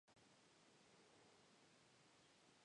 En el momento de su muerte, vivía en Andover, Massachusetts.